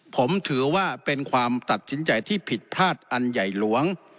ผมถือว่าเป็นความตัดสินใจที่ผิดพลาดอันใหญ่หลวง